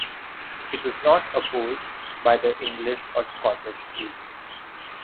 It was not opposed by the English or Scottish fleets.